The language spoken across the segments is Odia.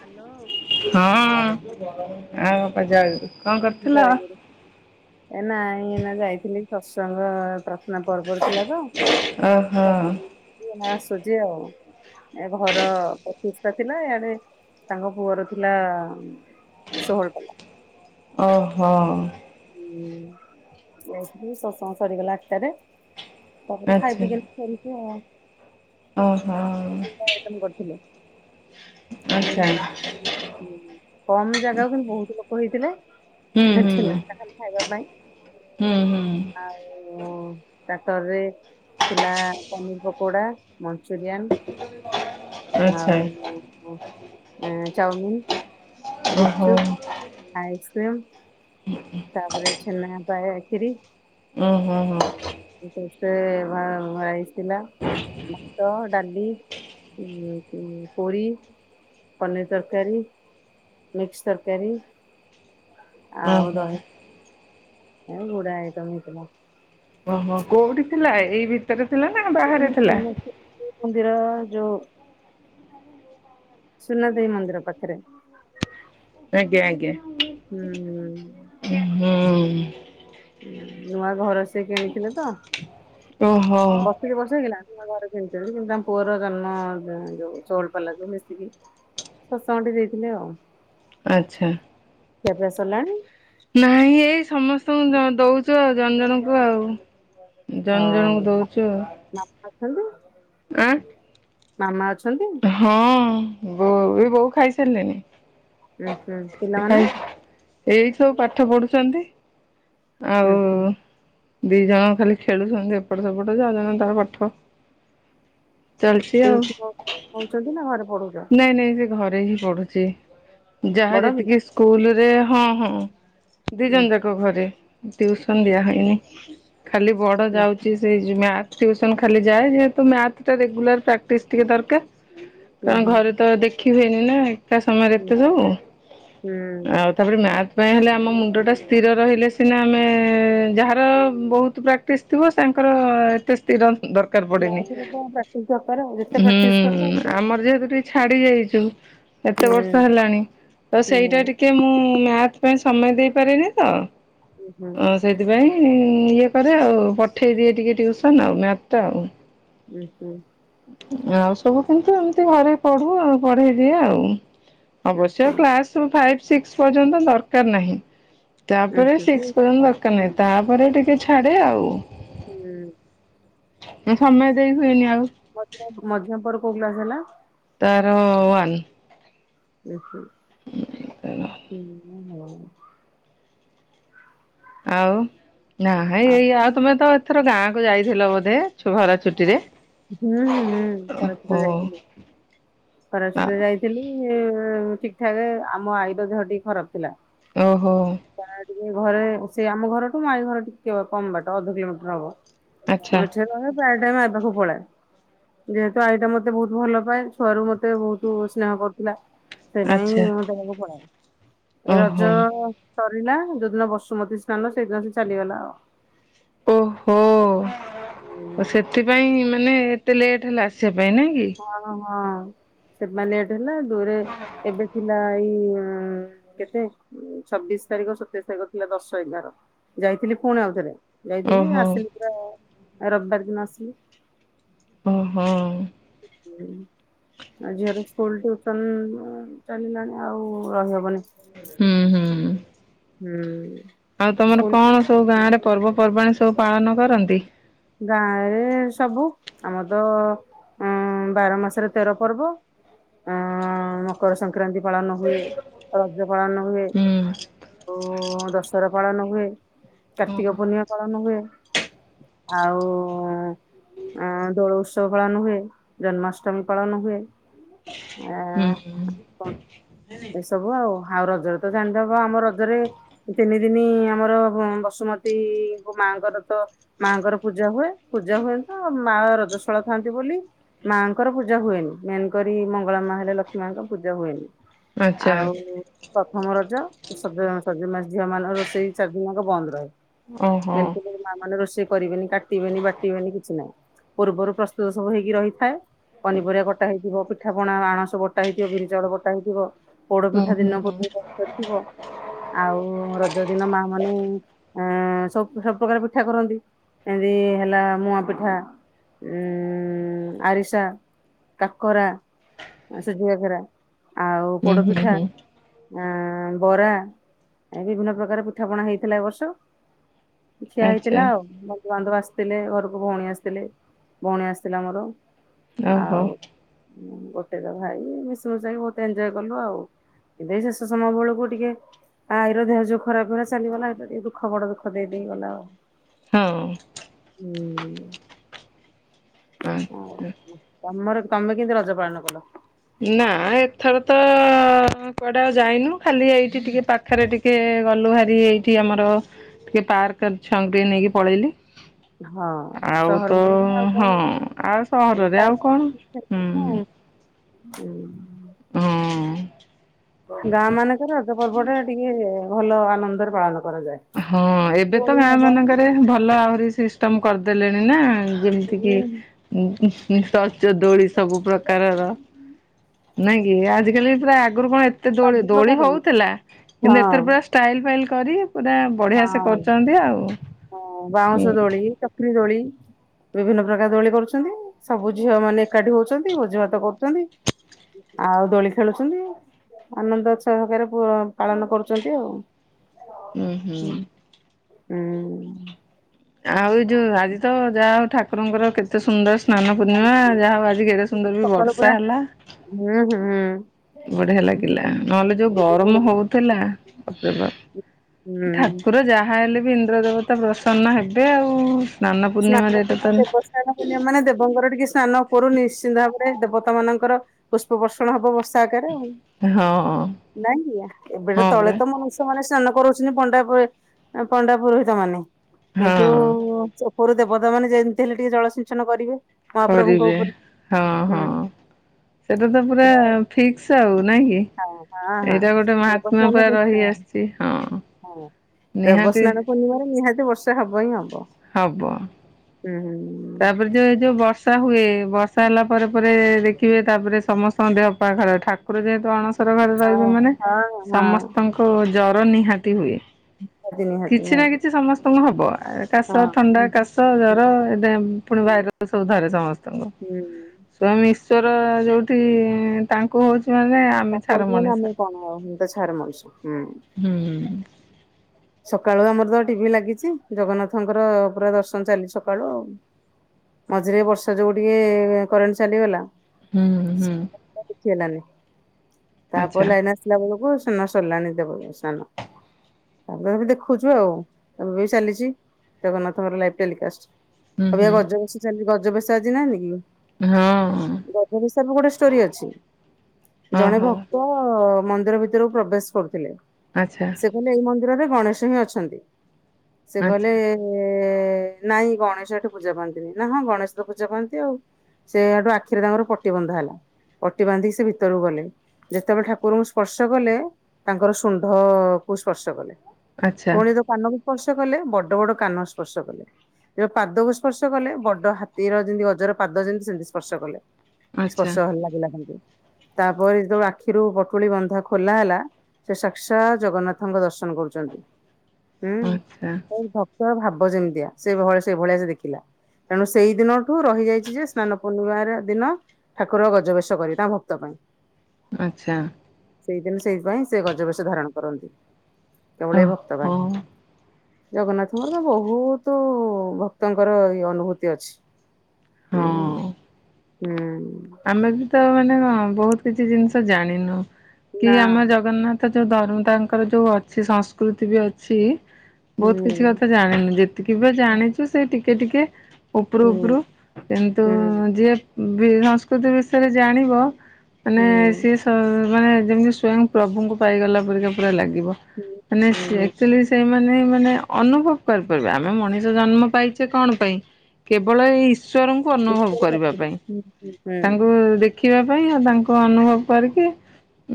ହ୍ୟାଲୋ ହଁ ଆଉ ବାପା ଜଲ ଯାଇନେହିଁ ନାଇ ଏଇନା ଯାଇଥିଲି ଶସଙ୍ଗ ଆତ। ନାଁ ପର୍ବର ଥିଲା ତ ଓହୋ ନାଁ ଆସୁଚି ଆଉ। ଏ ଘର ପଚିଷ୍ଟା ଥିଲା ଇଆଡେ ତାଙ୍କ ପୁଅର ଥିଲା ଶୋହଳ ପାଲା। ଓହୋ। ବସିଥିଲି ଶତ୍ସଙ୍ଗ ସରିଗଲା ଆଠଟାରେ ତାପରେ ଖାଇ ଆଚ୍ଛା ପି କିିନି ସେମିତି ଆଉ। [inaudible] ଓହୋ। କରିଥିଲେ ଆଚ୍ଛା ହୁଁ। କମ ଜାଗାକୁ କିନ୍ତୁ ବହୁତୁ ଲୋକ ହେଇଥିଲେ। ହୁଁ ହୁଁ ଖାଇବା ପାଇଁ ହୁଁ ହୁଁ ଆଉ ଟାକ୍ଟରରେ। ଥିଲା ପନିରି ପକୋଡା ମଞ୍ଚୁରିଆନ୍। [inaudible] ଆଉ ହଁ ଚାଉମିିନି ଓହୋ ରୁପୁଚୁପ୍। ଆଇସ୍କ୍ରିମ୍। ତାପରେ ଛେନାପାୟା ଖିରି। ଓହୋ ହୋ ଏ କେତେ ହ୍ବା ହ୍ବାଇ ଥିଲା? ଭାତ ଡାଲି ପୁରୀ। ପନିଅରି ତରକାରୀ ମିକ୍ସି ତରକାରୀ। ଓ ହୋ। ଏ ଗୁଡାଏ ଆଇଟମ୍ ହେଇଥିଲା। ଓହୋ କୋଉଠି ଥିଲା ଏଇ ଭିତରେ ଥିଲା ନା। ବାହାରେ ଥିଲା? [inaudible] ମନ୍ଦିର ଯୋଉ। ସୁନାଦେଇ ମନ୍ଦିର ପାଖରେ। ଆଜ୍ଞା ଆଜ୍ଞା। ହୁଁ। [inaudible] ହୁଁ। ନୂଆ ଘର ସିଏ କିଣିଥିଲେ ତ। ଓହୋ। ବର୍ଷେ ହେଇଗଲା ଘରେ ସେଭିତରେ କିନ୍ତୁ ତାଙ୍କ ପୁଅର ଜନ୍ମ ଯୋଉ ଷୋହଳ ପାଲା ଯୋଉ ମିଶିକି। ଶତଙ୍ଗଠି ଦେଇଥିଲେ ଆଉ। ଆଚ୍ଛା। ଖିଆ ପିଆ ସରିଲାଣି? ନାହଁ ଏଇ ସମସ୍ତଙ୍କୁ ଦୋଉଚୁ ଆଉ ଜଣଜଣଙ୍କୁ ଆଉ। ଜଣ ଜଣଙ୍କୁ ହଁ ଦଉଚୁ ମାମା ଅଛନ୍ତି ଆଁ। ମାମା ଅଛନ୍ତି? ହଁ ବୋଉ ବି ବୋଉ ଖାଇ ସାରିଲେଣିି। ହୁଁ ହୁଁ ସେ ପିଲାମାନେ? ଏଇ ସବୁ ପାଠ ପଢୁଚନ୍ତି ଉଁ ଆଉ। ହୁଁ ଦି ଜଣ ଖାଲି ଖେଳୁଚନ୍ତି ଏପଟ ସେପଟ ଯେ ଅଉ ଜଣ ତାର ପାଠ। ଚାଲିଛି ଆଉ ଟିଉସନ୍ ହୋଉଚନ୍ତି ନା ଘରେ ପଢୁଚନ୍ତି? ନାଇଁ ନାଇଁ ସେ ଘରେ ହିଁ ପଡ଼ୁଚି ଯାହା ବଡ ବି ଯେତିକି। ସ୍କୁଲ ରେ ହଁ ହଁ ଦି ଜଣ ଉଁ ଯାକ ଘରେ ଟିଉସନ୍ ଉଁ ଦିଆହୋଇନାହିଁ। ଖାଲି ବଡ ଉଁ ଯାଉଚି। ସେଇ ଜି ମ୍ୟାଥ ଟିଉସନ ଖାଲି ଯାଏ, ଯେହେତୁ ମ୍ୟାଥ ଟା ରେଗୁଲାର ପ୍ରାକ୍ଟିସ୍ ଟିକେ ଦରକାର ଉଁ କାରଣ ହୁଁ ଘରେ ତ ଦେଖି ହୁଏନି ନା ଏକା ସମୟରେ ହୁଁ ଏତେ ସବୁ ଆଉ ହୁଁ ତାପରେ ମ୍ୟାଥ ପାଇଁ ହେଲେ ଆମ ମୁଣ୍ଡଟା ସ୍ଥିର ରହିଲେ ସିନା ଆମେ ଯାହାର ବହୁତ ପ୍ରାକ୍ଟିସ୍ ଥିବ ତାଙ୍କର ଏତେ ସ୍ଥିର ଦର କାର ପଡେନି। ମ୍ୟାଥରେ ତ ପ୍ରାକ୍ଟିସ ଦରକାର ଆଉ ଯେତେ ହୁଁ ପ୍ରାକ୍ଟିସ କରିବ ଏତେ ଆମର ଯେହେ ଟିକେ ଛାଡି ଦେଇଛୁ, ଏତେ ହୁଁ ବର୍ଷ ହେଲାଣି ତ ସେଇଟା ହୁଁ ଟିକେ କେ ମୁଁ ମ୍ୟାଥ ପାଇଁ ସମୟ ଦେଇପାରିନି ତ, ହୁଁ ଅଁ ସେଇଥିପାଇଁ ଇଏ କରେ ଆଉ ପଠେଇଦିଏ ଟିକେ ଟିଉସନ୍ ଆଉ ମ୍ୟାଥ୍ ଟା ଆଉ। ହୁଁ ହୁଁ। ଆଉ ସବୁ କିନ୍ତୁ ଏମତି ଘରେ ପଢୁ ଆଉ ପଢେଇ ଦିଏ ଆଉ। ଉଁ ଅବଶ୍ୟ ହୁଁ କ୍ଲାସ ଫାଇ, ସିକ୍ସ ପର୍ଯ୍ୟନ୍ତ ଦରକାର ନାହିଁ। ଉଁ ତାପରେ ହୁଁ ସିକସ ପର୍ଯ୍ୟନ୍ତ ଦରକାର ହୁଁ ନାହିଁ, ତାପରେ ଟିକେ ଛାଡେ ଆଉ। ହୁଁ। ସମୟ ଦେଇ ହୁଏନି ଆଉ। ମଝିଆଁ ମଝିଆଁ ପୁଅ ର କୋଉ କ୍ଲାସ ହେଲା? ତାର ୱନ୍। ଏ ନ [unintelligible] ଆଉ ନା ଭାଇ ଏଇ ଆଉ ତମେ ତ ଏଥର ଗାଁ କୁ ଯାଇଥିଲ ବୋଧେ ଛୁଆର ଛୁଟି ହଁ ହୁଁଁ ହୁଁ ଓ ଖରାଦିନେ ଯାଇଥିଲି। ଖରାଛୁଟିରେ ଯାଇଥିଲି ଠିକ୍ ଠାକ୍ ଆମ ଆଇର ଦେହ ଟିକେ ଖରାପ ଥିଲା। ଓହୋ। ତା ଟିକେ ଘରେ ସେ ଆମ ଘର ଟୁ ମାଈ ଘର ଟିକେ କମ୍ ବାଟ ଅଧ କିଲୋମିଟର ହବ। ଆଚ୍ଛା ମଝିଆଁ ନନା ପ୍ରାୟ ଟାଇମ୍ ଆଇ ପାଖକୁ ପଳାଏ, ଯେହେତୁ ଆଇଟା ମୋତେ ବହୁତ ଭଲ ପାଏ, ଛୁଆରୁ ମତେ ମତେ ବହୁତ ସ୍ନେହ କରୁଥିଲା, ସେଇପାଇ ଆଚ୍ଛା ମୁଁ ତା ପାଖକୁ ପଳାଏ। ଓହୋ ରଜ ସରିଲା ଯୋଉଦିନ ବସୁମତୀ ସ୍ନାନ ସେଇଦିନ ସେ ଚାଲିଗଲା ଆଉ। ଓହୋ ଆଉ। ସେଥିପାଇଁ ମାନେ ଏତେ ଲେଟ୍ ହେଲା ଆସିବା ପାଇଁ ନଁ କି। ହଁ ହଁ ସେମା ଲେଟ୍ ହେଲା ଦୂରେ ଏବେ ଥିଲା ଏଇ ଉ କେତେ ଛବିଶ ତାରିଖ ସତେଇଶ ତାରିଖ ଥିଲା ଦଶ ଏଗାର। ଯାଇଥିଲି ପୁଣି ଆଉଥରେ, ଯାଇଥିଲି ଓହୋ ଆସିଲି ପୁରା ରବିବାର ଦିନ ଆସିଲି। ଓହୋ। ହ ଆଉ ଝିଅର ସ୍କୁଲ ଟିଉସନ ଚାଲିଲାଣି ଆଉ ରହିହବନି। ହୁଁ ହୁଁ। ହୁଁ। ଆଉ ତମର ସ୍କୁଲ କଣ ସବୁ ଗାଁ ରେ ପର୍ବପର୍ବାଣି ସବୁ ପାଳନ କରନ୍ତି? ଗାଁରେ ସବୁ ଆମର ତ ଉଁ ବାର ମାସରେ ତେର ପର୍ବ, ଉ ମକର ସଂକ୍ରାନ୍ତି ପାଳନ ହୁଏ, ରଜ ପାଳନ ହୁଏ ହୁଁ। ଓ ଦଶ ସର ପାଳନ ହୁଏ, କାର୍ତ୍ତିକ ହୁଁ ପୂର୍ଣ୍ଣିମା ପାଳନ ହୁଏ। ଆଉ ଅ ଦୋଳ ଉତ୍ସବ ପାଳନ ହୁଏ, ଜନ୍ମାଷ୍ଟମୀ ପାଳନ ହୁଏ। ଆ କଣ ପ ସବୁ ଆଉ ଆଉ ରଜରେ ତ ଜାଣିଥବ ଆମ ରଜରେ ତିନି ଦିନି ଆମର ବସୁମତୀଙ୍କୁ ମାଆଙ୍କର ତ ମାଙ୍କର ପୂଜା ହୁଏ ପୂଜା ହୁଏ ତ ମା ରଜସ୍ୱଳା ଥାନ୍ତି ବୋଲି। ମାଙ୍କର ପୂଜା ହୁଏନି, ମେନ କରି ମଙ୍ଗଳା ମା ହେଲେ ଲକ୍ଷ୍ମୀ ମାଆଙ୍କ ପୂଜା ହୁଏନି। ଆଚ୍ଛା ଆଉ, ପ୍ରଥମ ରଜ ସ ସଜ ମାସ ଝିଅ ମାନଙ୍କ ରୋଷେଇ ଚାରଦିନଙ୍କ ବନ୍ଦ ରହେ। ଓହୋ ଏମତି ବି ମା ମାନେ ରୋଷେଇ କରିବେନି କାଟିବେନି ବାଟିବେନି କିଛି ନାହିଁ। ପୂର୍ବରୁ ପ୍ରସ୍ତୁତ ସବୁ ହେଇକି ରହିଥାଏ। ପନିପରିବା କଟା ହେଇଥିବ, ପିଠାପଣା ଆଣସ ବଟା ହେଇଥିବ ବିରି ଚାଉଳ ବଟା ହେଇଥିବ। ପୋଡ ହୁଁ ପିଠା ହୁଁ ଦିନ ହୁଁ ପୂର୍ବ କରି ସାରିଥିବ। ଆଉ ରଜ ଦିନ ମା ମାନେ ଏଁ--ସବୁ ସବୁପକାର ପିଠା କରନ୍ତି। ଏମତି ହେଲା ମୁଆଁ ପିଠା ଏ--ଆରିସା। କାକରା ସୁଜିିକାକରା ଆଉ ହୁଁ ହୁଁ ପୋଡପିଠା। ହୁଁ ଆ ବରା ବିଭିନ୍ନ ପ୍ରକାର ପିଠାପଣା ହେଇଥିଲା ଏ ବର୍ଷ। ଠିଆ ଆଚ୍ଛା ହେଇଥିଲା, ଆଉ ବନ୍ଧୁବାନ୍ଧଵ ଆସିଥିଲେ ଘରକୁ ଭଉଣୀ ଆସିଥିଲେ। ଭଉଣୀ ଆସିଥିଲା ମୋର, ଓହୋ, ଆଉ ଗୋଟେ ତ ଭାଇ ମିଶିମିଶାଇକି ବହୁତ ଏଞୟ କଲୁ ଆଉ। ଏଯେ ଶେଷ ସମୟ ବେଳକୁ ଟିକେ। ଆଈର ଦେହ ଯୋଉ ଖରାପ ହେଲା ଚାଲିଗଲା। ଏଇ ଟିକେ ଦୁଖ ବଡ ଦୁଖ ଦେଇଦେଇଗଲା ଆଉ, ହଁ, ହୁଁ, ଆଉ [unintelligible] ତମର ତମେ କେମତି ରଜ ପାଳନ କଲ? ନା ଏଥର ତ କୁଆଡେ ଆଉ ଯାଇନୁ। ଖାଲି ଏଇଠି ଟିକେ ପାଖ, ପାଖରେ ଟିକେ ଗଲୁହାରି ଏଇଠି ଆମର। ଟିକେ ପାର୍କ ଛଙ୍କ ନେଇକି ପଳେଇଲି। ହଁ ଆଉ ସହର ତ, ମାନଙ୍କରେ ଆଉ କଣ ହଁ ଆଉ ଏଇ ସହରରେ ଆଉ କଣ? ହୁଁ, ପାର୍କ [unintelligible] ହଁ ଗାଁ ମାନଙ୍କରେ ରଜ ପର୍ବ ଟା ଟିକେ ଭଲ ଆନନ୍ଦରେ ପାଳନ କରାଯାଏ। ହଁ ଏବେ ତ ଦୋଳି ଗାଁ ହବ ମାନଙ୍କରେ ଭଲ ଆହୁରି ସିଷ୍ଟମ କରିଦେଲେଣି ନା। ଯେମିତି କିି ସଜଦୋଳି ସବୁ ପ୍ରକାରର, ନାଇଁ କି, ଆଜି କାଲି ପ୍ରାୟ ଆଗରୁ କଣ ଏତେ ଦୋଳି ସବୁ ଦୋଳି ପ୍ରକାର ହଉଥିଲା। କିନ୍ତୁ ଏଥର ହଁ। ପା ଷ୍ଟାଇଲ ଫାଇଲ କରି ପୁରା ହଁ ବଢ଼ିଆ ସେ କରୁଛନ୍ତି ଆଉ। ଚକିରି ଦୋଳି ବିଭିନ୍ନ ପ୍ରକାର ଦୋଳି କରୁଛନ୍ତି। ସବୁ ଝିଅ ମାନେ ଏକାଠି ହଉଛନ୍ତି ଭୋଜିଭାତ କରୁଛନ୍ତି। ଆଉ ଦୋଳି ଖେଳୁଛନ୍ତି, ଆନନ୍ଦ ଉଛଵରେ [unintelligible] ପାଳନ କରୁଛନ୍ତି ଆଉ ହୁଁ ହୁଁ। ହୁଁ ଆଉ ଏଇ ଯୋଉ ଆଜି ତ ଯାହା ହଉ ଠାକୁରଙ୍କର କେ ଏତେ ସୁନ୍ଦର ସ୍ନାନ ପୂର୍ଣ୍ଣିମା। ଯାହା ହଉ ଆଜି କେଡେ ସୁନ୍ଦର ବି ସକାଳୁ ପୁରା ବର୍ଷା ହେଲା। ହୁଁ ହୁଁ ବଢିଆ ଲାଗିଲା ନହେଲେ ଯୋଉ ଏଇ ଗରମ ଗୁଳୁଗୁଳି ହଉଥିଲା। ଅକ୍ଟବର, ହୁଁ ଠାକୁର ଯାହା ହେଲେ ବି ଇନ୍ଦ୍ର ଦେବତା ପ୍ରସନ୍ନ ହେବେ ଆଉ, ନନା ପୂର୍ଣ୍ଣିମା ରେ ଏଟା ତ, ସ୍ନାନ ପୂର୍ଣମା ମାନେ ଦେବଙ୍କର ଟିକେ ସ୍ନାନ କରୁ ନିଶ୍ଚିନ୍ତ ଭାବରେ ଦେବତା ମାନଙ୍କର। ପୁଷ୍ପ ବର୍ଷଣ ହବ ବର୍ଷା ଆକାରରେ। ଆଉ ହଁ ନାଇଁ ଏବେତ ହଁ ତଳେ ପରା ତମ [unintelligible] ମାନେ ସ୍ନାନ କରୁଛନ୍ତି ପଣ୍ଡା ପଣ୍ଡା ପୁରୋହିତ ମାନେ ହଁ କିନ୍ତୁ ଉପରୁ ଦେବତା ମାନେ ଯେମିତି ହେଲେ ଟିକେ ଜଳ ସିଞ୍ଚନ କରିବେ। ମହାପ୍ରଭୁଙ୍କ କରିବେ ଉପରେ ହଁ ହୁଁ ହଁ ସେଟା ତ ପୁରା ଏ- ଫିକ୍ସ ଆଉ ନାଇଁ କି। ହଁ ହଁ। ହଁ ଏଇଟା ଗୋଟେ ମାହାତ୍ମ୍ୟ ଦେବସ୍ନାନ ପୁରା ରହି ପୂର୍ଣ୍ଣିମା ଆସିଛି ହଁ। ହଁ ନିହାତି ଦେବସ୍ନାନ ପୂର୍ଣ୍ଣିମାରେ ନିହାତି ବର୍ଷା ହବ ହିଁ ହବ। ହବ ହୁଁ। ତାପରେ ଯୋଉ ଏଇ ଯୋଉ ବର୍ଷା ହୁଏ ବର୍ଷା ହେଲା ପରେ ପରେ ଦେଖିବେ ତାପରେ ସମସ୍ତଙ୍କ ଦେହ ପାଖର ଠାକୁ ଠାକୁର ଯେହେତୁ ଅଣସର ଘରେ ରହିବେ ମାନେ ହଁ ହଁ ସମସ୍ତଙ୍କ ଓ ଜର ନିହାତି ହୁଏ ନିହାତି ନିହାତି କିଛି ନା ନିହାତି କିଛି ସମସ୍ତଙ୍କୁ ହବ। କାଶ ଥଣ୍ଡା ହଁ। କାଶ ଜର ଏ ପୁଣି ବାଇ ସବୁ ଧରେ ସମସ୍ତଙ୍କୁ। ହୁଁ ସ୍ୱାମୀ ଈଶ୍ୱର ଯୋଉଠି। ତାଙ୍କୁ ହଉଛି ମାନେ ଆମେ ଛାର ତାଙ୍କଠୁ ମାନେ ଆମେ ମଣିଷ କଣ ଆଉ ଆମେ ତ ଛାର ମଣିଷ ହୁଁ। ହୁଁ। ସକାଳୁ ଆମର ତ ଟିଭି ଲାଗିଛି ଜଗନ୍ନାଥଙ୍କର ପୁରା ଦର୍ଶନ ଚାଲିଛି ସକାଳୁ ଆଉ ମଝିରେ ବର୍ଷା ଯୋଉ ଟିକେ କରେଣ୍ଟ ଚାଲିଗଲା। ହୁଁ। ହୁଁ [inaudible] ଆଚ୍ଛା [inaudible] ଆ ତ ଦେଖୁଛୁ ଆଉ ତ ବି ଚାଲିଛି ଜଗନ୍ନାଥଙ୍କର ଲାଇଭଟେଲିକାଷ୍ଟ। ହୁଁ ଆଉ ହୁଁ। ଗଜ ବେଶ୍ ଚାଲିଚି ଗଜ ବେଶ ଆଜି ନାଇ କି? ହଁ ଗଜ ବେସର ବି ଗୋଟେ ଷ୍ଟୋରି ଅଛି ଜଣେ ଓହୋ ଭକ୍ତ ଅ ମନ୍ଦିର ଭିତରକୁ ପ୍ରବେଶ କରୁଥିଲେ। ଆଚ୍ଛା। ସେ କହିଲେ ଏଇ ମନ୍ଦିରରେ ଗଣେଶ ହିଁ ଅଛନ୍ତି ସେ କହିଲେ ଆଚ୍ଛା ନାଇଁ ଗଣେଶ ଏଠୁ ପୂଜା ପାଆନ୍ତିନି ନା ହଁ ଗଣେଶ ତ ପୂଜା ପାଆନ୍ତି ଆଉ ସେଠୁ ଆଖିରେ ତାଙ୍କର ପଟି ବନ୍ଧା ହେଲା ପଟି ବାନ୍ଧିକି ସେ ଭିତରକୁ ଗଲେ। ଯେତେବେଳେ ଠାକୁରଙ୍କୁ ସ୍ପର୍ଶ କଲେ ତାଙ୍କର ଶୁଣ୍ଡକୁ ସ୍ପର୍ଶ କଲେ। ଆଚ୍ଛା ପୁଣି ତ କାନକୁ ସ୍ପର୍ଶ କଲେ ବଡ ବଡ କାନ ସ୍ପର୍ଶ କଲେ। ଯେତେବେଳେ ପାଦକୁ ସ୍ପର୍ଶ କଲେ ବଡ ହାତୀର ଯେମିତି ଗଜର ପାଦ ଯେମିତି ସେମିତି ସ୍ପର୍ଶ କଲେ। ଆଚ୍ଛା। ସ୍ପର୍ଶ ଭଲ ଲାଗିଲା ତାଙ୍କୁ। ତାପରେ ଯେତେବେଳେ ଆଖିରୁ ପଟୁଳି ବନ୍ଧା ଖୋଲା ହେଲା ସେ ସାଖାତ ସା ଜଗନ୍ନାଥଙ୍କ ଦର୍ଶନ କରୁ ହୁଁ ଆଚ୍ଛା ଭକ୍ତର ଭାବ ସେମିତିଆ ସେ ଭଳିଆ ସେଇଭଳିଆ ସେ ଦେଖିଲା। ତେଣୁ ସେଇ ଦିନଠୁ ରହିଯାଇଛି ଯେ ସ୍ନାନ ପୂର୍ଣ୍ଣିମାର ଦିନ ଠାକୁର ଗଜବେେଶ କରିବେ ତା ଭକ୍ତ ପାଇଁ। ଆଚ୍ଛା। ସେଇଦିନ ସେଇଥିପାଇଁ ସେ ଗଜବେେଶ ଧାରଣ କରନ୍ତି କେବଳ ଏଇ ଭକ୍ତ ପାଇଁ। ଓହୋ ଜଗନ୍ନାଥଙ୍କର ତ ବହୁତ ଭକ୍ତଙ୍କର ଇ ଅନୁଭୂତି ଅଛି। ହୁଁ ହଁ। ହୁଁ। ଆମେ ବି ତ ମାନେ ବହୁତ କିଛି ଜିନିଷ ଜାଣିନୁ କି ନା ଆମ ଜଗନ୍ନାଥ ତ ଯେଉଁ ଧର୍ମ ତାଙ୍କର ଯେଉଁ ଅଛି ସଂସ୍କୃତି ବି ଅଛି। ବହୁତ କିଛି ହୁଁ କଥା ଜାଣିନି ଯେତିକି ବି ଜାଣିଛୁ ସେ ଟିକେ ଟିକେ ଉପରୁ ହୁଁ ଉପରୁ କିନ୍ତୁ ହୁଁ ହୁଁ ଯିଏ ସଂସ୍କୃତି ବିଷୟରେ ଜାଣିବ। ମାନେ ହୁଁ ସିଏ ମାନେ ଯେମିତି ସ୍ଵୟଂ ପ୍ରଭୁଙ୍କୁ ପାଇଗଲା ପରିକା ପୁରା ଲାଗେ। ଯିବ ହୁଁ ମାନେ ହୁଁ ଆକ୍ଟୁଲି ସେ ମାନେ ମାନେ ଅନୁଭବ କରିପାରିବା ଆମେ ମଣିଷ ଜନ୍ମ ପାଇଛେ କଣ ପାଇଁ? କେବଳ ଏଇ ଈଶ୍ୱରଙ୍କୁ ଅନୁଭବ ଈଶ୍ୱର କରିବା ଭକ୍ତିରେ ପାଇଁ। ହୁଁ ହୁଁ। ହୁଁ ତାଙ୍କୁ ଦେଖିବା ପାଇଁ ଆଉ ତାଙ୍କୁ ଅନୁଭବ କରିକି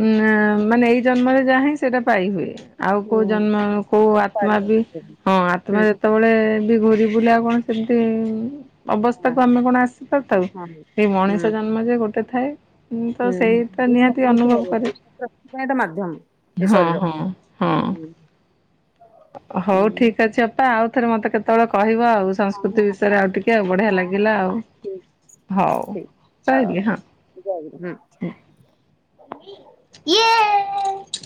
ଉଁ ମାନେ ଏଇ ଜନ୍ମରେ ଯାହା ହିଁ ସେଇଟା ପାଇହୁୁଏ। ଆଉ କୋଉ ହୁଁ ଜନ୍ମ କୋଉ ଆତ୍ମା ପାରିବ ବି ହୁଁ ହଁ ଆତ୍ମା ଯେତେବେଳେ ଘୁରି ବୁଲେ ଆଉ କଣ ସେମିତି ଅବସ୍ଥାକୁ ଆମେ କଣ ଆସି ପାରିଥାଉ ହଁ। ଏଇ ହୁଁ ମଣିଷ ମଝିରେ ଗୋଟେ ଥାଏ। ତ ସେଇଟା ହୁଁ ନିହାତି ସବୁ ଅନୁଭବ କିିବ କରେ [unintelligible] ପାଇଁ ଏଟା ମାଧ୍ୟମ ଏ ହଁ ଶରୀର ହଁ ହଁ ହୁଁ। ହ ହଉ ଠିକ ଅଛି ଅପା ଆଉ ଥରେ ମତେ କେତେବେଳେ କହିବ ଆଉ। ହଁ ସଂସ୍କୃତି ବିଷୟରେ ଆଉ ଟିକେ ଆଉ ବଢିଆ ଲାଗିଲା ଆଉ ହଁ ହଉ। ଠିକ ଠିକ ହଉ ହଉ ଜୟ ଗୁରୁ ହୁଁ। ରହିଲି ହଁ ହଁ।